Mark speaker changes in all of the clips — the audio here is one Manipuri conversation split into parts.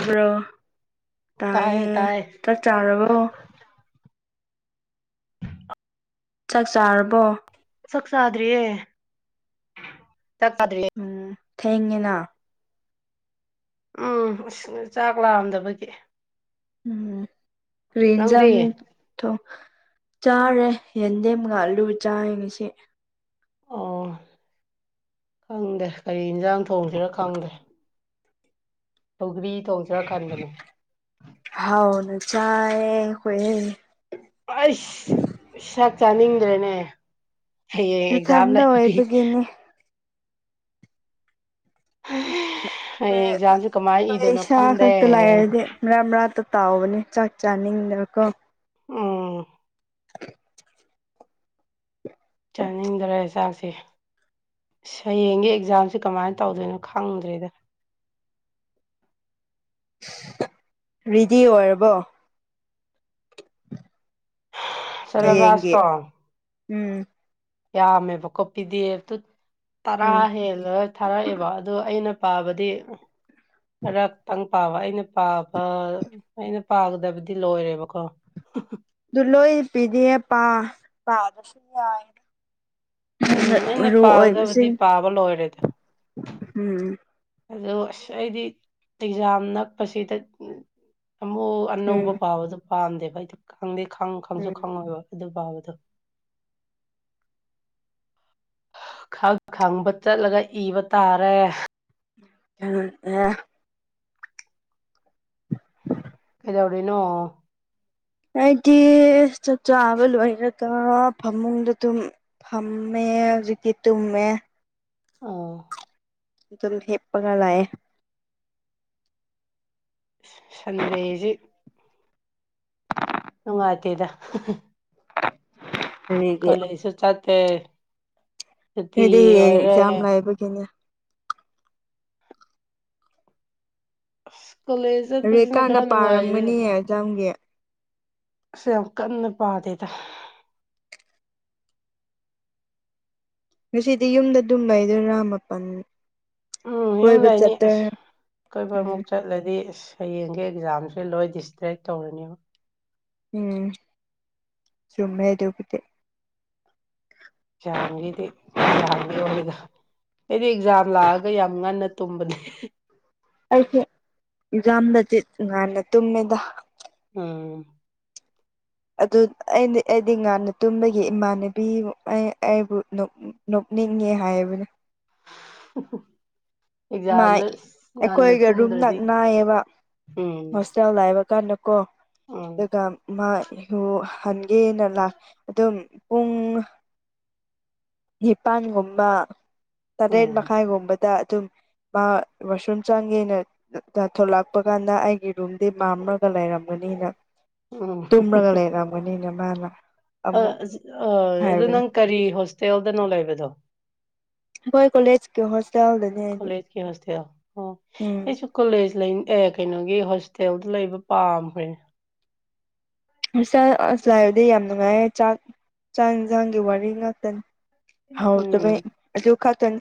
Speaker 1: ꯇꯥꯕ꯭ꯔꯣ ꯇꯥꯏꯌꯦ ꯆꯥꯛ ꯆꯥꯔꯕꯣ ꯆꯥꯛ ꯆꯥꯔꯕꯣ
Speaker 2: ꯆꯥꯛ ꯆꯥꯗ꯭ꯔꯤꯌꯦ ꯆꯥꯛ ꯆꯗ꯭ꯔꯤꯌꯦ
Speaker 1: ꯎꯝ ꯊꯦꯡꯉꯤꯅ
Speaker 2: ꯎꯝ ꯆꯥꯛ ꯂꯥꯝꯗꯕꯒꯤ
Speaker 1: ꯎꯝ ꯀꯔꯤ
Speaker 2: ꯅꯪꯗꯤ
Speaker 1: ꯏꯟꯖꯥꯡ ꯆꯥꯔꯦ ꯌꯦꯟꯗꯦꯝꯒ ꯑꯂꯨ ꯆꯥꯏ ꯉꯁꯤ
Speaker 2: ꯑꯣ ꯈꯪꯗꯦ ꯀꯔꯤ ꯌꯦꯟꯁꯥꯡ ꯊꯣꯡꯁꯤꯔꯥ ꯈꯪꯗꯦ ꯁꯧꯒ꯭ꯔꯤ ꯊꯣꯡꯖꯤꯔꯥ ꯈꯟꯕꯅꯤ
Speaker 1: ꯍꯥꯎꯅ ꯆꯥꯢ ꯍꯣꯏꯌꯦ
Speaker 2: ꯑꯩꯁ ꯁꯥꯛ ꯆꯥꯅꯤꯡꯗ꯭ꯔꯦꯅꯦ ꯍꯌꯦꯡ ꯑꯦꯛꯖꯥꯝ
Speaker 1: ꯏꯊꯟꯗ
Speaker 2: ꯂꯩꯥꯕꯒꯤ
Speaker 1: ꯑꯣꯏꯕꯒꯤꯅꯤ
Speaker 2: ꯍꯌꯦꯡ
Speaker 1: ꯈꯔ
Speaker 2: ꯑꯦꯛꯖꯥꯝꯁꯦ ꯀꯃꯥꯏꯅ
Speaker 1: ꯑꯩꯈꯣꯏ
Speaker 2: ꯏꯗꯣꯏꯅꯣ
Speaker 1: ꯏꯁꯥ
Speaker 2: ꯈꯪꯗꯦ
Speaker 1: ꯈꯛꯇ ꯂꯥꯏꯔꯗꯤ ꯃꯔꯛꯇ ꯀꯥꯎꯕꯅꯤ ꯆꯥꯛ ꯆꯅꯤꯗꯀꯣ
Speaker 2: ꯎꯝ ꯆꯥꯅꯤꯡꯗ꯭ꯔꯦ ꯆꯥꯛꯁꯦ ꯍꯌꯦꯡꯒꯤ ꯑꯦꯛꯖꯥꯝꯁꯦ ꯀꯃꯥꯏꯅ ꯇꯧꯗꯣꯏꯅꯣ ꯈꯪꯗ꯭ꯔꯦꯗ
Speaker 1: ꯔꯤꯗꯤ ꯑꯣꯏꯔꯕꯣ ꯍꯌꯦꯡꯒꯤ
Speaker 2: ꯁꯦꯂꯦꯕꯥꯁꯇꯣ
Speaker 1: ꯎꯝ
Speaker 2: ꯌꯥꯝꯃꯦꯕꯀꯣꯄꯤꯤꯗꯦꯨ ꯇꯔꯥ
Speaker 1: ꯎꯝ
Speaker 2: ꯍꯦꯜꯂꯒ ꯊꯥꯔꯛꯑꯦꯕ ꯑꯗꯣ ꯑꯩꯅ ꯄꯥꯕꯗꯤ ꯈꯔ ꯇꯪ ꯄꯥꯕ ꯑꯩꯅ ꯄꯥꯕ ꯑꯩꯅ ꯄꯥꯒꯗꯕꯗꯤ ꯂꯣꯏꯔꯦꯕꯀꯣ
Speaker 1: ꯑꯗꯨ ꯂꯣꯏ ꯄꯤꯗꯤꯌꯦꯞ ꯄꯥ ꯄꯥꯗ꯭ꯔꯁꯨ ꯌꯥꯏ
Speaker 2: ꯎꯝ ꯑꯩꯅ
Speaker 1: ꯃꯔꯨ
Speaker 2: ꯄꯥꯒꯗꯕꯗꯤ
Speaker 1: ꯑꯣꯏꯕꯁꯤꯡ
Speaker 2: ꯄꯥꯕ ꯂꯣꯏꯔꯦꯗ
Speaker 1: ꯎꯝ
Speaker 2: ꯑꯗꯣ ꯑꯁ ꯑꯩꯗꯤ ꯑꯦꯛꯖꯥꯝ ꯅꯛꯄꯁꯤꯗ ꯑꯃꯨꯛ ꯑꯅꯧꯕ
Speaker 1: ꯎꯝ
Speaker 2: ꯄꯥꯕꯗꯣ ꯄꯥꯝꯗꯦꯕ ꯑꯩꯗꯤ ꯈꯪꯗꯦ ꯈꯪ ꯈꯪꯁꯨ
Speaker 1: ꯎꯝ
Speaker 2: ꯈꯪꯉꯣꯏꯕ ꯑꯗꯨ ꯄꯥꯕꯗꯨ ꯈꯪ ꯈꯪꯕ ꯆꯠꯂꯒ ꯏꯕ ꯇꯥꯔꯦ
Speaker 1: [unintelligible]
Speaker 2: ꯀꯩꯗꯧꯔꯤꯅꯣ
Speaker 1: ꯑꯩꯗꯤ ꯆꯥꯛ ꯆꯥꯕ ꯂꯣꯏꯔꯒ ꯐꯝꯃꯨꯡꯗ ꯇꯨꯝ ꯐꯃꯦ ꯍꯧꯖꯤꯛꯇꯤ ꯇꯨꯃꯦ
Speaker 2: ꯑꯣ
Speaker 1: ꯑꯗꯨꯝ ꯍꯤꯞꯄꯒ ꯂꯩ
Speaker 2: ꯁꯟꯗꯦꯁꯤ ꯅꯨꯡꯉꯥꯏꯇꯦꯗ
Speaker 1: [inaudible] ꯀꯔꯤꯒꯤ
Speaker 2: ꯀꯣꯂꯦꯖꯁꯨ ꯆꯠꯇꯦ ꯁꯨꯇꯤ ꯑꯣꯏꯔꯦ
Speaker 1: ꯌꯥꯕꯒꯤꯅꯦ
Speaker 2: ꯑ ꯀꯣꯂꯦꯖ ꯆꯠꯄꯁꯤꯅ ꯈꯔ ꯅꯨꯡꯉꯥꯏꯔꯦ
Speaker 1: ꯑꯦꯛꯖꯝꯒꯤ
Speaker 2: ꯑꯁ ꯌꯥꯝ ꯀꯟꯅ ꯄꯥꯗꯦꯗ
Speaker 1: ꯉꯁꯤꯗꯤ ꯌꯨꯝꯗ ꯑꯗꯨꯝ ꯂꯩꯗꯔꯥ ꯃꯥꯄꯜ
Speaker 2: ꯎꯝ ꯌꯨꯝ
Speaker 1: ꯀꯣꯏꯕ
Speaker 2: ꯂꯩꯅꯤ ꯑꯁ
Speaker 1: ꯆꯠꯇꯣꯏꯔ
Speaker 2: ꯀꯣꯏꯕ ꯑꯃꯨꯛ
Speaker 1: ꯎꯝ
Speaker 2: ꯆꯠꯂꯗꯤ ꯑꯁ ꯍꯌꯦꯡꯒꯤ ꯑꯦꯛꯖꯥꯝꯁꯤ ꯂꯣꯏ ꯗꯤꯁꯇ꯭ꯔꯦꯛ ꯇꯧꯔꯅꯦꯕ
Speaker 1: ꯎꯝ ꯆꯨꯝꯃꯦ ꯑꯗꯨꯕꯨꯗꯤ
Speaker 2: ꯑꯦꯛꯖꯥꯝꯒꯤꯗꯤ ꯑꯦꯛꯖꯥꯝꯒꯤ ꯑꯣꯏꯗ ꯑꯩꯗꯤ ꯑꯦꯛꯖꯥꯝ ꯂꯥꯛꯑꯒ ꯌꯥꯝ ꯉꯟꯅ ꯇꯨꯝꯕꯅꯦ
Speaker 1: ꯑꯩꯁꯦ ꯑꯦꯛꯖꯥꯝꯗꯗꯤ ꯉꯥꯟꯅ ꯇꯨꯝꯃꯦꯗ
Speaker 2: ꯑꯥ
Speaker 1: ꯑꯗꯨ ꯑꯩꯩꯅ ꯑꯩꯗꯤ ꯉꯥꯟꯅ ꯇꯨꯝꯒꯤ ꯏꯃꯥꯟꯅꯕꯤ ꯑꯩꯕꯨ ꯅꯣꯛꯅꯤꯡꯉꯦ ꯍꯥꯏꯕꯅꯦ
Speaker 2: [inaudible]
Speaker 1: ꯃꯥꯏ
Speaker 2: ꯑꯦꯛꯖꯥꯝꯗ ꯉꯟꯅ
Speaker 1: ꯑꯩꯈꯣꯏꯒ ꯔꯨꯝ
Speaker 2: ꯇꯨꯝꯗ꯭ꯔꯗꯤ ꯎꯝ
Speaker 1: ꯂꯥꯏꯕ ꯀꯥꯟꯗ ꯀꯣ
Speaker 2: ꯎꯝ
Speaker 1: ꯑꯗꯨꯒ ꯃꯥ ꯏꯍꯨ ꯍꯟꯒꯦꯅ ꯂꯥꯛ ꯑꯗꯨꯝ ꯄꯨꯡ ꯅꯤꯄꯥꯟꯒꯨꯝꯕ ꯇꯔꯦꯠ
Speaker 2: ꯎꯝ
Speaker 1: ꯃꯈꯥꯏꯒꯨꯝꯕꯗ ꯑꯗꯨꯝ ꯃꯥ ꯋꯥꯁꯨꯝ ꯆꯥꯡꯒ ꯌꯦꯅ ꯊꯣꯛꯂꯛꯄ ꯀꯥꯟꯗ ꯑꯩꯒꯤ ꯔꯨꯝꯗꯤ ꯃꯝꯂꯒ ꯂꯩꯔꯝꯒꯅꯤꯅ
Speaker 2: ꯎꯝ
Speaker 1: ꯇꯂꯒ ꯂꯩꯔꯃꯅꯤꯅ ꯃꯥꯅ ꯑꯃꯨꯛ
Speaker 2: [unintelligible] ꯑꯗꯨ
Speaker 1: ꯍꯥꯏꯕꯅꯤ
Speaker 2: ꯅꯪ ꯀꯔꯤ ꯍꯣꯁꯇꯦꯜꯗꯅꯣ ꯂꯩꯕꯗꯣ
Speaker 1: ꯑꯩꯈꯣꯏ ꯀꯣꯂꯦꯖꯀꯤ ꯍꯣꯁꯇꯦꯜꯗ
Speaker 2: ꯀꯂꯦꯖꯀꯤ ꯍꯣꯁꯇꯦꯜ
Speaker 1: ꯎꯝ
Speaker 2: ꯑꯗꯨꯏꯁꯨ ꯀꯣꯂꯦꯖ ꯂꯩ ꯑꯦ ꯀꯩꯅꯣꯒꯤ ꯍꯣꯁꯇꯦꯜꯗ ꯂꯩꯕ ꯄꯥꯝꯈ꯭ꯔꯦ
Speaker 1: ꯁꯥ ꯑꯁꯂꯥꯏꯕꯗꯤ ꯌꯥꯝ ꯅꯨꯡꯉꯥꯏꯌꯦ ꯆꯥꯛ ꯆꯥꯛ ꯌꯦꯟꯁꯥꯡꯒꯤ ꯋꯥꯔꯤ ꯉꯥꯛꯇꯅꯤ ꯍꯧ
Speaker 2: ꯎꯝ
Speaker 1: ꯇꯩꯕꯩ ꯑꯗꯨ ꯈꯛꯇꯅꯤ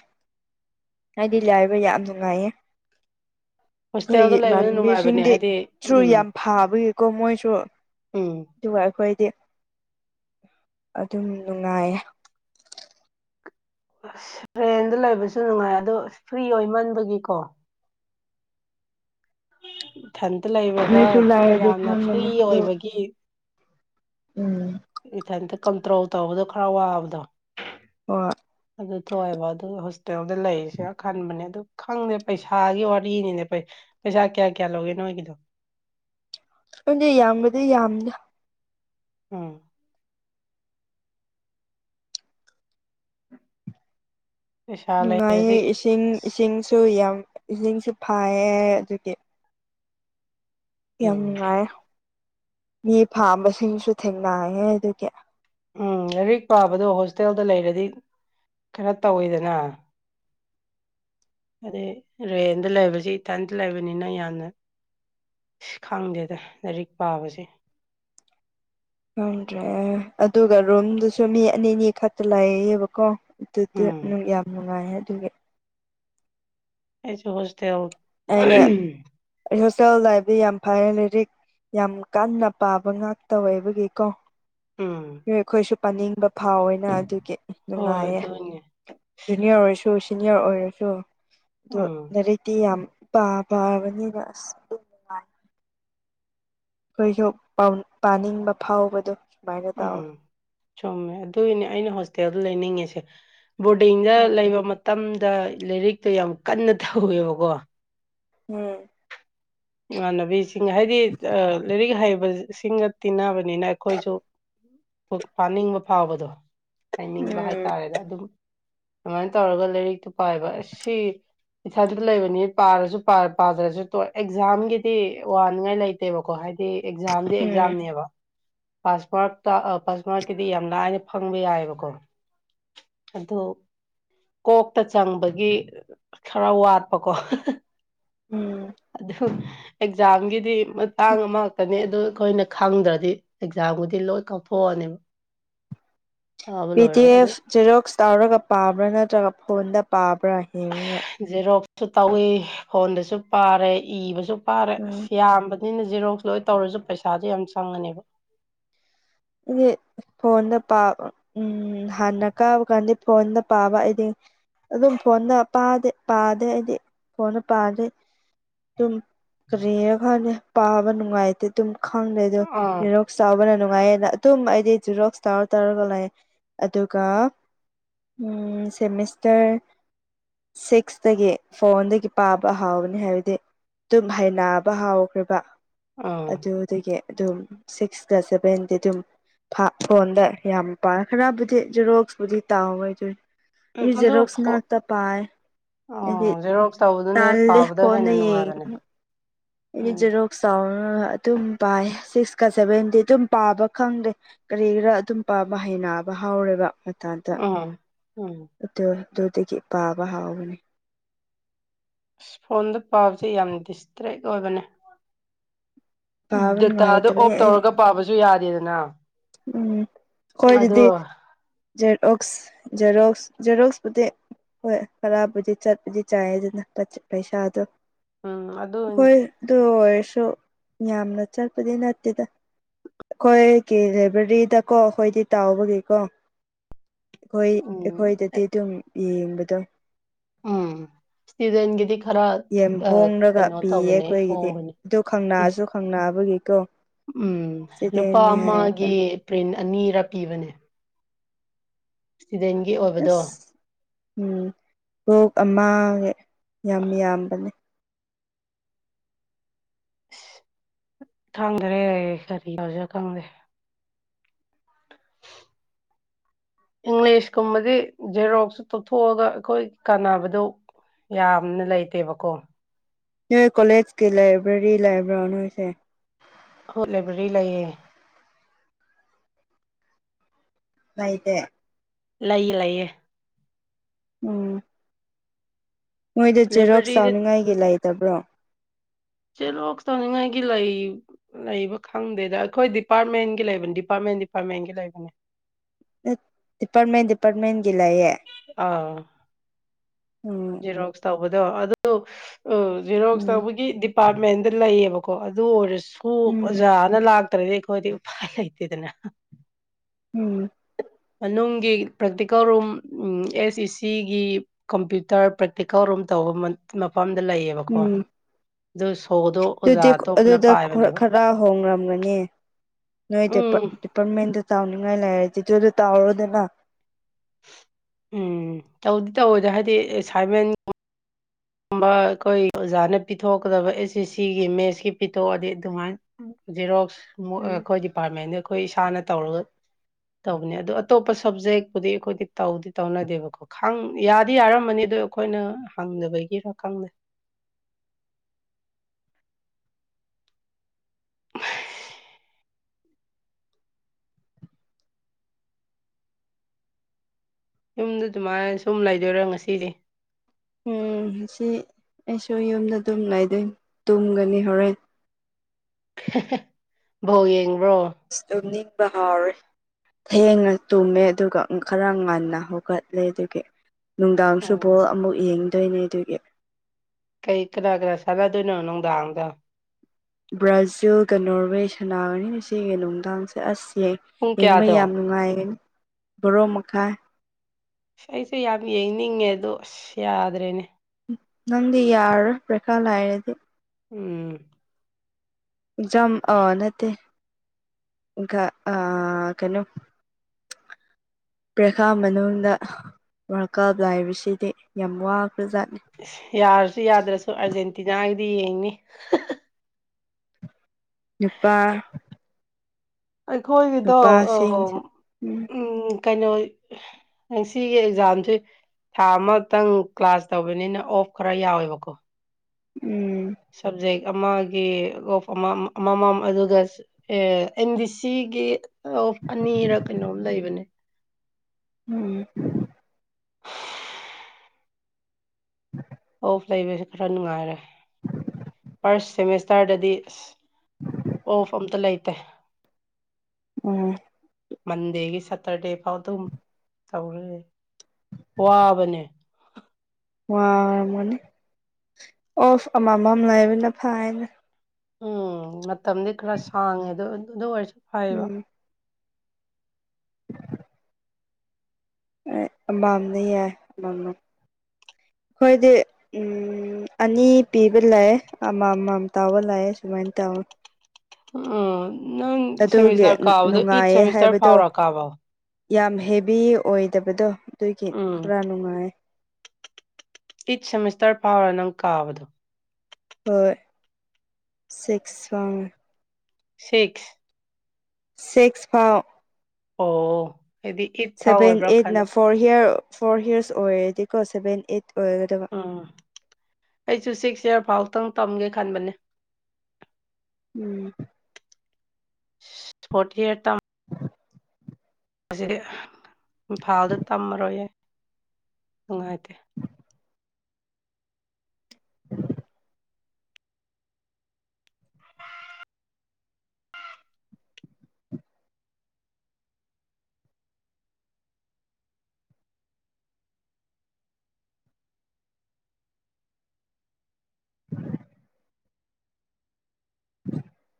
Speaker 1: ꯍꯥꯏꯗꯤ ꯂꯥꯏꯕ ꯌꯥꯝ ꯅꯨꯡꯉꯥꯏꯌꯦ
Speaker 2: ꯍꯣꯁꯇꯦꯜꯗ
Speaker 1: ꯑꯩꯈꯣꯏꯒꯤ
Speaker 2: ꯂꯩꯕꯅ ꯅꯨꯡꯉꯥꯏꯕꯅꯦ
Speaker 1: ꯏꯃꯥꯟꯅꯕꯤꯁꯤꯡꯗꯤ
Speaker 2: ꯍꯥꯏꯗꯤ
Speaker 1: ꯁꯨ
Speaker 2: ꯎꯝ
Speaker 1: ꯌꯥꯝ ꯐꯕꯒꯤꯀꯣ ꯃꯣꯏꯁꯨ
Speaker 2: ꯎꯝ
Speaker 1: ꯑꯗꯨꯒ ꯑꯩꯈꯣꯏꯗꯤ ꯑꯗꯨꯝ ꯅꯨꯡꯉꯥꯏꯌꯦ
Speaker 2: ꯑꯁ ꯇ꯭ꯔꯦꯟꯗ ꯂꯩꯕꯁꯨ ꯅꯨꯡꯉꯥꯏ ꯑꯗꯣ ꯐ꯭ꯔꯤ ꯑꯣꯏꯃꯟꯕꯒꯤꯀꯣ ꯏꯊꯟꯇ ꯂꯩꯔꯨꯔꯒ
Speaker 1: ꯅꯣꯏꯁꯨ ꯂꯥꯏꯔꯗꯤ
Speaker 2: ꯌꯥꯝꯅ ꯐ꯭ꯔꯤ
Speaker 1: ꯈꯪꯒꯅꯤ ꯑꯗꯨ
Speaker 2: ꯑꯣꯏꯕꯒꯤ
Speaker 1: ꯎꯝ
Speaker 2: ꯏꯊꯟꯇ ꯀꯟꯇ꯭ꯔꯣꯜ ꯇꯧꯕꯗꯣ ꯈꯔ ꯋꯥꯕꯗꯣ
Speaker 1: ꯍꯣꯏ
Speaker 2: ꯑꯗꯨ ꯊꯣꯛꯑꯦꯕ ꯑꯗꯨ ꯍꯣꯁꯇꯦꯜꯗ ꯂꯩꯔꯤꯁꯤꯅ ꯈꯟꯕꯅꯦ ꯑꯗꯨ ꯈꯪꯗꯦ ꯄꯩꯁꯥꯒꯤ ꯋꯥꯔꯤꯅꯤꯅ ꯄꯩꯁꯥ ꯀꯌꯥ ꯀꯌꯥ ꯂꯧꯒꯦ ꯅꯣꯏꯒꯤꯗꯣ
Speaker 1: ꯗꯤ ꯌꯥꯝꯕꯨꯗꯤ ꯌꯥꯝꯗ
Speaker 2: ꯎꯝ ꯄꯩꯁꯥ
Speaker 1: ꯅꯨꯡꯉꯥꯏꯌꯦ
Speaker 2: ꯂꯩꯔꯗꯤ
Speaker 1: ꯏꯁꯤꯡ
Speaker 2: ꯑꯁ
Speaker 1: ꯏꯁꯤꯡꯁꯨ ꯌꯥꯝ ꯏꯁꯤꯡꯁꯨ ꯐꯌꯦ ꯑꯗꯨꯒꯤ ꯌꯥꯝ
Speaker 2: ꯎꯝ
Speaker 1: ꯅꯨꯡꯉꯥꯏ ꯃꯤ ꯐꯥꯝꯕꯁꯤꯡꯁꯨ ꯊꯦꯡꯅꯑꯦ ꯑꯗꯨꯒꯤ
Speaker 2: ꯎꯝ ꯔꯤꯛ ꯄꯥꯕꯗꯣ ꯍꯣꯁꯇꯦꯜꯗ ꯂꯩꯔꯗꯤ ꯈꯔ ꯇꯧꯋꯤꯗꯅ ꯑꯗꯩ ꯔꯦꯟꯗ ꯂꯩꯕꯁꯤ ꯏꯇꯟꯇ ꯂꯩꯕꯅꯤꯅ ꯌꯥꯝꯅ ꯁꯤ ꯈꯪꯗꯦꯗ ꯂꯥꯏꯔꯤꯛ ꯄꯥꯕꯁꯦ
Speaker 1: ꯍꯪꯗ꯭ꯔꯦ ꯑꯗꯨꯒ ꯔꯨꯝꯗꯨꯁꯨ ꯃꯤ ꯑꯅꯤꯅꯤ ꯈꯛꯇ ꯂꯩꯌꯦꯕꯀꯣ ꯑꯗꯨꯗꯤ
Speaker 2: ꯎꯝ
Speaker 1: ꯅꯨꯡ ꯌꯥꯝ ꯅꯨꯡꯉꯥꯏ ꯑꯗꯨꯒꯤ
Speaker 2: ꯑꯩꯁꯨ ꯍꯣꯁꯇꯦꯜ
Speaker 1: ꯑꯩꯅ ꯑꯩ ꯍꯣꯁꯇꯦꯜ ꯂꯕꯗꯤ ꯌꯥꯝ ꯐꯔꯦ ꯂꯥꯏꯔꯤꯛ ꯌꯥꯝ ꯀꯥꯟꯅ ꯄꯥꯕ ꯉꯥꯛ ꯇꯧꯋꯦꯕꯒꯤꯀꯣ
Speaker 2: ꯎꯝ
Speaker 1: ꯍꯣꯏ ꯑꯩꯈꯣꯏꯁꯨ ꯄꯥꯅꯤꯡꯕ ꯐꯥꯎꯋꯦꯅ ꯑꯗꯨꯒꯤ
Speaker 2: ꯍꯣꯏ
Speaker 1: ꯅꯨꯡꯉꯥꯏꯌꯦ
Speaker 2: ꯑꯗꯨꯅꯦ
Speaker 1: ꯖꯨꯅꯤꯌꯔ ꯑꯣꯏꯔꯁꯨ ꯁꯤꯅꯤꯌꯔ ꯑꯣꯏꯔꯁꯨ ꯑꯗꯨ
Speaker 2: ꯎꯝ
Speaker 1: [unintelligible] ꯌꯥꯝ ꯄꯥ ꯄꯕꯅꯤ ꯑꯁ ꯅꯨꯡꯉꯥꯏ ꯑꯩꯈꯣꯏꯁꯨ ꯄꯥꯅꯤꯡꯕ ꯐꯥꯎꯕꯗꯣ ꯁꯨꯃꯥꯏꯅ ꯇꯧꯋꯦ
Speaker 2: ꯎꯝ ꯆꯨꯝꯃꯦ ꯑꯗꯨꯏꯅꯦ ꯑꯩꯅ ꯍꯣꯁꯇꯦꯜꯗ ꯂꯩꯅꯤꯡꯉꯤꯁꯦ ꯕꯣꯔꯗꯤꯡꯗ ꯂꯩꯕ
Speaker 1: ꯎꯝ
Speaker 2: ꯃꯇꯝꯗ ꯂꯥꯏꯔꯤꯛꯇꯣ ꯌꯥꯝ ꯀꯟꯅ ꯇꯧꯋꯦꯕꯀꯣ
Speaker 1: ꯎꯝ
Speaker 2: ꯏꯃꯥꯟꯅꯕꯤꯁꯤꯡꯒ ꯍꯥꯏꯗꯤ ꯂꯥꯏꯔꯤꯛ ꯍꯩꯕ ꯁꯤꯡꯒ ꯇꯤꯟꯅꯕ ꯅꯤꯅ ꯑꯩꯈꯣꯏꯁꯨ ꯄꯥꯅꯤꯡꯕ ꯐꯥꯎꯕꯗꯣ ꯍꯥꯏꯅꯤꯡꯕ
Speaker 1: ꯎꯝ
Speaker 2: ꯍꯥꯏꯇꯥꯔꯦꯒ ꯑꯗꯨꯝ ꯑꯗꯨꯃꯥꯏꯅ ꯇꯧꯔꯒ ꯂꯥꯏꯔꯤꯛꯇꯨ ꯄꯥꯏꯕ ꯁꯤ ꯏꯁꯥꯗꯨ ꯂꯩꯕꯅꯤ ꯄꯥꯔꯁꯨ ꯄꯥ ꯄꯗꯔꯁꯨ ꯇꯣꯛꯑꯦ ꯑꯦꯛꯖꯥꯝꯒꯤꯗꯤ ꯋꯥꯅꯤꯡꯉꯥꯏ ꯂꯩꯇꯦꯕꯀꯣ ꯍꯥꯏꯗꯤ ꯑꯦꯛꯖꯥꯝꯗꯤ
Speaker 1: ꯎꯝ
Speaker 2: ꯑꯦꯛꯖꯥꯝꯅꯦꯕ ꯄꯥꯁꯃꯥꯔꯠꯇ ꯄꯥꯁꯃꯥꯔꯛꯀꯤꯗꯤ ꯌꯥꯝ ꯂꯥꯏꯅ ꯐꯪꯕ ꯌꯥꯏꯑꯕꯀꯣ ꯑꯗꯣ ꯀꯣꯛꯇ ꯆꯪꯕꯒꯤ ꯈꯔ ꯋꯥꯠꯄꯀꯣ
Speaker 1: ꯎꯝ
Speaker 2: ꯑꯗꯣ ꯑꯦꯛꯖꯥꯝꯒꯤꯗꯤ ꯃꯇꯥꯡ ꯑꯃꯈꯛꯇꯅꯤ ꯑꯗꯨ ꯑꯩꯈꯣꯏꯅ ꯈꯪꯗ꯭ꯔꯗꯤ ꯑꯦꯛꯖꯥꯝꯒꯗꯤ ꯂꯣꯏ ꯀꯥꯎꯞꯊꯣꯛꯑꯅꯦꯕ
Speaker 1: ꯄꯤ ꯇꯤ
Speaker 2: ꯑꯗꯨ
Speaker 1: ꯑꯦꯐ ꯖꯦꯔꯣꯛꯁ ꯇꯧꯔꯒ ꯄꯥꯕ꯭ꯔꯥ ꯅꯠꯇ꯭ꯔꯒ ꯐꯣꯟꯗ ꯄꯥꯕ꯭ꯔꯥ ꯍꯡꯉꯒ
Speaker 2: ꯖꯦꯔꯣꯁꯨ ꯇꯧꯏꯤ ꯐꯣꯟꯗꯁꯨ ꯄꯥꯔꯦ ꯏꯕꯁꯨ ꯄꯥꯔꯦ
Speaker 1: ꯎꯝ
Speaker 2: ꯑ ꯌꯥꯝꯕ ꯑꯅ ꯖꯤꯦꯔꯣꯛꯁ ꯂꯣꯏ ꯇꯧꯔꯁꯨ ꯄꯩꯁꯥꯗꯤ ꯌꯥꯝ ꯆꯪꯉꯅꯦꯕ
Speaker 1: ꯌꯦ ꯐꯣꯟꯗ ꯄꯥ ꯎꯝ ꯍꯥꯟꯅ ꯀꯥꯕ ꯀꯥꯟꯗꯤ ꯐꯣꯟꯗ ꯄꯥꯕ ꯍꯥꯏꯗꯤ ꯑꯗꯨꯝ ꯐꯣꯟꯗ ꯄꯥꯗꯦ ꯄꯥꯗꯦ ꯍꯥꯏꯗꯤ ꯐꯣꯟꯗ ꯄꯥꯗꯦ ꯑꯗꯨꯝ ꯀꯔꯤꯔ ꯈꯦ ꯄꯥꯕ ꯅꯨꯡꯉꯥꯏꯇꯦ ꯑꯗꯨꯝ ꯈꯪꯗꯦꯗꯣ
Speaker 2: ꯑꯥ
Speaker 1: ꯔꯣꯛ ꯆꯥꯎꯕꯅ ꯅꯨꯡꯉꯥꯏ ꯑꯗꯨꯝꯕ ꯑꯩꯗꯤ ꯖꯔꯣꯛꯁ ꯇꯥꯔ ꯇꯥꯔꯒ ꯂꯩꯥꯛꯦ ꯑꯗꯨꯒ ꯎꯝ ꯁꯦꯃꯤꯁꯇꯔ ꯁꯤꯛꯁꯇꯒꯤ ꯐꯣꯟꯗꯒꯤ ꯄꯥꯕ ꯍꯥꯎꯕꯅꯤ ꯍꯥꯏꯕꯗꯤ ꯑꯗꯨꯝ ꯍꯕ ꯍꯥꯎꯈ꯭ꯔꯦꯕ
Speaker 2: ꯑꯥ
Speaker 1: ꯑꯗꯨꯗꯒꯤ ꯑꯗꯨꯝ ꯁꯤꯛꯁꯀ ꯁꯚꯦꯟꯗꯤ ꯑꯗꯨꯝ ꯐꯣꯟꯗ ꯌꯥꯝ ꯄꯥ ꯈꯔꯕꯨꯗꯤ ꯖꯦꯔꯣꯛꯁꯄꯨꯗꯤ ꯇꯥꯎꯔꯣꯏꯗꯣꯏ
Speaker 2: ꯎꯝ ꯑꯗꯨ
Speaker 1: ꯖꯦꯔꯣꯛꯁ
Speaker 2: ꯐꯣ
Speaker 1: ꯉꯥꯛꯇ ꯄꯥꯏ ꯑꯗꯨꯗꯤ
Speaker 2: ꯑꯣ ꯖꯦꯔꯣꯛꯁ ꯇꯧꯕꯗꯨꯅ
Speaker 1: ꯇꯥꯜꯗꯦ
Speaker 2: ꯄꯥꯕꯗ
Speaker 1: ꯐꯅ
Speaker 2: ꯍꯦꯟꯅ
Speaker 1: ꯌꯦ
Speaker 2: ꯅꯨꯡꯉꯥꯏꯕꯅꯦ
Speaker 1: ꯑꯩꯗꯤ
Speaker 2: ꯎꯝ
Speaker 1: ꯖꯦꯔꯣꯛ ꯆꯥꯎꯔ ꯑꯗꯨꯝ ꯄꯥꯏ ꯁꯤꯛꯁꯀ ꯁꯚꯦꯟꯗꯤ ꯑꯗꯨꯝ ꯄꯥꯕ ꯈꯪꯗꯦ ꯀꯔꯤ ꯈꯔꯥ ꯑꯗꯨꯝ ꯄꯥꯕ ꯍꯩ ꯕ ꯍꯥꯎꯔꯦꯕ ꯥꯟꯗ
Speaker 2: ꯎꯝ ꯎꯝ
Speaker 1: ꯑꯗꯨ ꯑꯗꯨꯗꯒꯤ ꯄꯥꯕ ꯍꯥꯎꯕꯅꯦ
Speaker 2: ꯑꯁ ꯐꯣꯟꯗ ꯄꯥꯕꯁꯦ ꯌꯥꯝꯅ ꯗꯤꯁꯇ꯭ꯔꯦꯛ ꯑꯣꯏꯕꯅꯦ
Speaker 1: ꯄꯥꯕ
Speaker 2: ꯗꯇꯥꯗꯣ
Speaker 1: ꯅꯨꯡꯉꯥꯏꯇꯕꯩ
Speaker 2: ꯑꯣꯐ
Speaker 1: ꯑꯩ
Speaker 2: ꯇꯧꯔꯒ ꯄꯥꯕꯁꯨ ꯌꯥꯗꯦꯗꯅ
Speaker 1: ꯎꯝ ꯍꯣꯏ
Speaker 2: ꯑꯗꯣ
Speaker 1: ꯑꯗꯨꯗꯤ ꯖꯦꯔꯣꯛꯁ ꯖꯦꯔꯣꯛꯁ ꯖꯦꯔꯣꯛꯁꯄꯗꯤ ꯍꯣꯏ ꯍꯔꯥꯕꯨꯗꯤ ꯆꯠꯄꯗꯤ ꯆꯥꯏ ꯑꯗꯨꯅ ꯄꯩꯁꯥꯗꯣ
Speaker 2: ꯎꯝ ꯑꯗꯨ ꯑꯗꯨ
Speaker 1: ꯑꯩꯈꯣꯏ ꯑꯗꯨ ꯑꯣꯏꯔꯁꯨ ꯌꯥꯝꯅ ꯆꯠꯄꯗꯤ ꯅꯠꯇꯦꯗ ꯀꯣꯏ ꯀ ꯂꯥꯏꯕ꯭ꯔꯦꯔꯤꯗꯀꯣ ꯑꯩꯈꯣꯏꯗꯤ ꯇꯥꯎꯕꯒꯤꯀꯣ ꯑꯩꯈꯣꯏ
Speaker 2: ꯎꯝ ꯑꯦ
Speaker 1: ꯑꯩꯈꯣꯏꯗꯗꯤ ꯑꯗꯨꯝ ꯌꯦꯡꯕꯗ
Speaker 2: ꯎꯝ ꯏꯁꯇꯨꯗꯦꯟꯒꯤꯗꯤ ꯈꯔ
Speaker 1: ꯌꯥꯝ
Speaker 2: ꯀꯩꯅꯣ ꯇꯧꯕꯅꯦ ꯍꯣꯡꯕꯅꯦ
Speaker 1: ꯗꯨ ꯈꯪꯅꯅꯥꯁꯨꯨ ꯈꯪꯅꯕꯒꯀꯣ
Speaker 2: ꯎꯝ ꯂꯨꯄꯥ ꯑꯃꯒꯤ ꯄ꯭ꯔꯤꯟ ꯑꯅꯤꯔꯥ ꯄꯤꯕꯅꯦ ꯁꯤꯗꯦꯟꯒꯤ ꯑꯣꯏꯕꯗꯣ
Speaker 1: ꯑꯁ ꯎꯝ ꯀꯣꯛ ꯑꯃ ꯌꯥꯝ ꯌꯥꯝꯕꯅꯦ
Speaker 2: ꯈꯪꯗ꯭ꯔꯦ ꯀꯔꯤ ꯇꯧꯁꯨ ꯈꯪꯗꯦ
Speaker 1: [inaudible]
Speaker 2: ꯏꯪꯂꯤꯁꯀꯨꯝꯕꯗꯤ ꯖꯦꯔꯣꯛꯁꯨ ꯇꯣꯛꯊꯣꯛꯑꯒ ꯑꯩꯈꯣꯏꯒꯤ ꯀꯥꯟꯅꯕꯗꯨ ꯌꯥꯝꯅ ꯂꯩꯇꯦꯕꯀꯣ
Speaker 1: ꯅꯣꯏ ꯀꯣꯂꯦꯖꯀꯤ ꯂꯥꯏꯕ꯭ꯔꯦꯔꯤ ꯂꯩꯕ꯭ꯔꯥ ꯅꯣꯏꯁꯦ
Speaker 2: ꯍꯣꯏ ꯂꯥꯏꯕ꯭ꯔꯦꯔꯤ ꯂꯩꯌꯦ
Speaker 1: ꯉꯇꯦ
Speaker 2: ꯂꯩꯌꯦ ꯂꯩꯌꯦ
Speaker 1: ꯎꯝ ꯅꯣꯏꯗ ꯖꯦꯔꯣꯛꯁ
Speaker 2: ꯂꯥꯏꯕ꯭ꯔꯦꯔꯤꯗ
Speaker 1: ꯆꯥꯎꯅꯤꯡꯉꯥꯏꯒꯤ ꯂꯩꯇꯕ꯭ꯔꯣ
Speaker 2: ꯆꯦꯜꯂꯣꯛ ꯇꯧꯅꯤꯡꯉꯥꯏꯒꯤ ꯂꯩ ꯂꯩꯕ ꯈꯪꯗꯦꯗ ꯑꯩꯈꯣꯏ ꯗꯤꯄꯥꯔꯠꯃꯦꯟꯒꯤ ꯂꯩꯕꯅꯤ ꯗꯤꯄꯥꯔꯠꯃꯦꯟ ꯗꯤꯄꯥꯔꯠꯃꯦꯟꯒꯤ ꯂꯩꯕꯅꯦ
Speaker 1: ꯗꯤꯄꯥꯔꯠꯃꯦꯟ ꯗꯤꯄꯥꯔꯠꯃꯦꯟꯒꯤ ꯂꯩꯌꯦꯦ
Speaker 2: ꯑꯥ
Speaker 1: ꯎꯝ
Speaker 2: ꯖꯦꯔꯣꯛꯁ ꯇꯧꯕꯗꯣ ꯑꯣ ꯎ ꯖꯦꯔꯣꯛꯁ
Speaker 1: ꯎꯝ
Speaker 2: ꯇꯧꯕꯒꯤ ꯗꯤꯄꯥꯔꯠꯃꯦꯟꯗ ꯂꯩꯌꯦꯕꯀꯣ ꯑꯗꯨ ꯑꯣꯏꯔꯁꯨ
Speaker 1: ꯎꯝ
Speaker 2: ꯑꯣꯖꯥꯅ ꯂꯥꯛꯇ꯭ꯔꯗꯤ ꯍꯗꯤ ꯐꯥꯜꯥꯏꯇꯗꯅ
Speaker 1: ꯎꯝ
Speaker 2: ꯃꯅꯨꯡꯒꯤ ꯄ꯭ꯔꯦꯛꯇꯤꯀꯦꯜ ꯔꯨꯝ ꯑꯦꯁ ꯏ ꯁꯤꯒꯤ ꯀꯝꯄ꯭ꯌꯨꯇꯔ ꯄ꯭ꯔꯦꯛꯇꯤꯀꯦꯜ ꯔꯨꯝ ꯇꯧꯕ ꯃꯐꯝꯗ ꯂꯩꯌꯦꯕꯀꯣ
Speaker 1: ꯎꯝ
Speaker 2: ꯑꯗꯨ ꯁꯣꯗꯣ ꯑꯣꯖꯥ
Speaker 1: ꯑꯗꯨꯗꯤ
Speaker 2: ꯑꯇꯣꯞꯄꯅ
Speaker 1: ꯑꯗꯨꯗ
Speaker 2: ꯄꯥꯏꯕꯅꯦꯕ
Speaker 1: ꯈꯔ ꯍꯣꯡꯂꯝꯒꯅꯤ ꯅꯣꯏ
Speaker 2: ꯎꯝ
Speaker 1: ꯗꯤꯄꯥꯔꯠꯃꯦꯟꯗ ꯇꯥꯎꯅꯤꯡꯉꯥꯏ ꯂꯩꯔꯁꯤ ꯑꯗꯨ ꯑꯗꯨ ꯇꯥꯎꯔꯣꯗꯅ
Speaker 2: ꯎꯝ ꯇꯧꯗꯤ ꯇꯧꯋꯦꯗ ꯍꯥꯏꯗꯤ ꯑꯦꯁꯥꯏꯟꯃꯦꯟ ꯀꯨꯝ ꯑꯩꯈꯣꯏ ꯑꯣꯖꯥꯅ ꯄꯤꯊꯣꯛꯀꯗꯕ ꯑꯦꯁ ꯑꯦꯁ ꯁꯤꯒꯤ ꯃꯦꯠꯁꯀꯤ ꯄꯤꯊꯣꯛꯑꯗꯤ ꯑꯗꯨꯃꯥꯏꯅ ꯦꯔꯣꯛꯁ
Speaker 1: ꯎꯝ
Speaker 2: ꯑꯩꯈꯣꯏ ꯗꯤꯄꯥꯔꯠꯃꯦꯟꯗ ꯑꯩꯈꯣꯏ ꯏꯁꯥꯅ ꯇꯧꯔꯒ ꯇꯧꯕꯅꯦ ꯑꯗꯣ ꯑꯇꯣꯞꯄ ꯁꯕꯖꯦꯛꯄꯨꯗꯤ ꯑꯩꯈꯣꯏꯗꯤ ꯇꯧꯗꯤ ꯇꯧꯅꯗꯦꯕꯀꯣ ꯌꯥꯗꯤ ꯌꯥꯔꯝꯃꯅꯤ ꯑꯗꯨ ꯑꯩꯈꯣꯏꯅ ꯍꯪꯗꯕꯒꯤꯔ ꯈꯪꯪꯂꯗꯦ ꯌꯨꯝꯗ ꯑꯗꯨꯃꯥꯏꯅ ꯁꯨꯝ ꯂꯩꯗꯣꯏꯔꯥ ꯉꯁꯤꯗꯤ
Speaker 1: ꯎꯝ ꯁꯤ ꯑꯩꯁꯨ ꯌꯨꯝꯗ ꯑꯗꯨꯝ ꯂꯩꯗꯣꯏ ꯇꯨꯝꯒꯅꯤ ꯍꯣꯔꯦꯟ
Speaker 2: ꯕꯧ ꯌꯦꯡꯕ꯭ꯔꯣ
Speaker 1: ꯑꯁ ꯑꯗꯨꯝ ꯅꯤꯡꯕ ꯍꯥꯎꯔꯦ ꯊꯦꯡꯅ ꯇꯨꯝꯃꯦ ꯑꯗꯨꯒ ꯈꯔ ꯉꯟꯅ ꯍꯧꯒꯠꯂꯦ ꯑꯗꯨꯒꯤ ꯅꯨꯡꯗꯥꯡꯁꯨꯕꯣ
Speaker 2: ꯎꯝ
Speaker 1: ꯑꯃꯨꯛ ꯌꯦꯡꯗꯣꯏꯅꯦ ꯑꯗꯨꯒꯤ
Speaker 2: ꯀꯩ ꯀꯅꯥ ꯀꯅꯥ ꯁꯥꯟꯅꯗꯣꯏꯅꯣ ꯅꯨꯡꯗꯥꯡꯗ
Speaker 1: ꯕ꯭ꯔꯥꯖꯤꯜꯒ ꯅꯣꯔꯋꯦ ꯁꯅꯥꯒꯅꯤ ꯁꯤꯒꯤ ꯅꯨꯡꯗꯥꯡꯁꯦ ꯑꯁꯤꯁ ꯌꯦ
Speaker 2: ꯄꯨꯡ
Speaker 1: ꯌꯦꯡꯕ
Speaker 2: ꯀꯌꯥꯗꯣ
Speaker 1: ꯌꯥꯝ ꯅꯨꯡꯉꯥꯏ ꯕꯣꯔꯣ ꯃꯈꯥ
Speaker 2: ꯑ ꯑꯩꯁꯨꯦ ꯌꯥꯝ ꯌꯦꯡꯅꯤꯡꯉꯦ ꯑꯗꯣ ꯑꯁ ꯌꯥꯗ꯭ꯔꯦꯅꯦ
Speaker 1: ꯅꯪꯗꯤ ꯌꯥꯔ ꯭ꯔꯀꯥꯂ ꯍꯥꯏꯔꯗꯤ
Speaker 2: ꯎꯝ
Speaker 1: ꯌꯥꯝꯝ ꯑ ꯅꯠꯇ ꯑ ꯀꯩꯅꯣ ꯄ꯭ꯔꯦꯈꯥ ꯃꯅꯨꯡꯗ ꯔꯀꯥꯕꯗ ꯍꯥꯏꯕꯁꯤꯗꯤ ꯌꯥꯝ ꯋꯥꯕ ꯖꯥꯠꯅꯤ
Speaker 2: ꯌꯥꯔꯁꯨ ꯌꯥꯗ꯭ꯔꯁꯨ ꯑꯥꯔꯖꯦꯟꯇꯤꯅꯥꯒꯤꯗꯤ ꯌꯦꯡꯅꯤ
Speaker 1: ꯅꯨꯄꯥ
Speaker 2: ꯑꯩꯈꯣꯏꯒꯤꯗꯣ
Speaker 1: ꯅꯨꯄꯥꯁꯤꯡꯁꯦ ꯎꯝ
Speaker 2: ꯀꯩꯅꯣ ꯅꯪ ꯁꯤꯒꯤ ꯑꯦꯛꯖꯥꯝꯁꯦ ꯊꯥ ꯑꯃꯇꯪ ꯀ꯭ꯂꯥꯁ ꯇꯧꯕꯅꯤꯅ ꯑꯣꯐ ꯈꯔ ꯌꯥꯎꯋꯦꯕꯀꯣ
Speaker 1: ꯎꯝ
Speaker 2: ꯁꯕꯖꯦꯛ ꯑꯃꯒꯤ ꯑꯃꯃꯝ ꯑꯗꯨꯒ ꯑꯦ ꯑꯦꯟ ꯗꯤ ꯁꯤꯒꯤ ꯑꯅꯤꯔ ꯀꯩꯅꯣꯝ ꯂꯩꯕꯅꯦ
Speaker 1: ꯎꯝ
Speaker 2: ꯑꯣ ꯂꯩꯕꯁꯨꯦ ꯈꯔ ꯅꯨꯡꯉꯥꯏꯔꯦ ꯐꯥꯔꯁ ꯁꯦꯃꯤꯁꯇꯔꯗꯗꯤ ꯑꯁ ꯑꯣꯐ ꯑꯝꯇ ꯂꯩꯇꯦ
Speaker 1: ꯎꯝ
Speaker 2: ꯃꯟꯗꯦꯒꯤ ꯁꯇꯔꯗꯦ ꯐꯥꯎ ꯑꯗꯨꯝ ꯇꯧꯔꯦ ꯋꯥꯕꯅꯦ
Speaker 1: ꯋꯥꯔꯝꯃꯣꯅꯦ ꯑꯣꯐ ꯑꯃꯝꯃꯝ ꯂꯩꯕꯅ ꯐꯥꯏꯅ
Speaker 2: ꯎꯝ ꯃꯇꯝꯗꯤ ꯈꯔ ꯁꯥꯡꯉꯦ ꯑꯗꯨ ꯑꯗꯨ ꯑꯣꯏꯔꯁꯨ ꯐꯩꯌꯦꯕ
Speaker 1: ꯎꯝ ꯑꯄꯥꯝꯗꯤ ꯌꯥꯏ ꯑꯝꯅ ꯑꯩꯈꯣꯏꯗꯤ ꯎꯝ ꯑꯅꯤ ꯄꯤꯕ ꯂꯥꯛꯑꯦ ꯑꯃꯝ ꯑꯃꯝ ꯇꯥꯎꯕ ꯂꯥꯛꯑꯦ ꯁꯨꯃꯥꯏꯅ ꯇꯧꯋ
Speaker 2: ꯎꯝ ꯅꯪ
Speaker 1: ꯑꯗꯨꯒꯤ
Speaker 2: ꯁꯦꯃꯤꯁꯇꯔ ꯀꯥꯕꯗꯣ ꯑꯩꯠ
Speaker 1: ꯅꯨꯡꯉꯥꯏꯌꯦ
Speaker 2: ꯁꯦꯃꯤꯁꯇꯔ
Speaker 1: ꯍꯥꯏꯕꯗꯣ
Speaker 2: ꯐꯥꯎꯔꯥ ꯀꯥꯕ
Speaker 1: ꯌꯥꯝ ꯍꯦꯚ ꯑꯣꯏꯗꯕꯗꯣ ꯑꯗꯨꯒꯤ
Speaker 2: ꯎꯝ
Speaker 1: ꯈꯔ ꯅꯨꯡꯉꯥꯏ
Speaker 2: ꯑꯩꯠ ꯁꯦꯃꯤꯁꯇꯔ ꯐꯥꯎꯔ ꯅꯪ ꯀꯥꯕꯗꯣ
Speaker 1: ꯍꯣꯏ ꯁꯤꯛꯁ
Speaker 2: ꯁꯤꯛꯁ
Speaker 1: ꯁꯤꯦꯛꯁ ꯐꯥꯎ
Speaker 2: ꯑꯣ ꯍꯥꯏꯗꯤ ꯑꯩꯠ ꯐꯥꯎ
Speaker 1: ꯁꯚꯦꯟ
Speaker 2: ꯑꯣꯏꯕ꯭ꯔꯥ ꯈꯟ
Speaker 1: ꯑꯦꯠꯅ ꯐꯣꯔ ꯍꯤꯌꯔ ꯐꯣꯔ ꯍꯤꯌꯔꯁ ꯑꯣꯏꯔꯗꯤꯀꯣ ꯁꯚꯦꯟ ꯑꯦꯠ ꯑꯣꯏꯒꯗꯕ
Speaker 2: ꯎꯝ ꯑꯩꯁꯨ ꯁꯤꯛꯁ ꯏꯌꯥꯔ ꯐꯥꯎꯇꯪ ꯇꯝꯒꯦ ꯈꯟꯕꯅꯦ
Speaker 1: ꯎꯝ
Speaker 2: [unintelligible]
Speaker 1: [unintelligible]
Speaker 2: ꯑꯁꯤ ꯏꯝꯐꯥꯜꯗ ꯇꯝꯃꯔꯣꯏꯌꯦ ꯅꯨꯡꯉꯥꯏꯇꯦ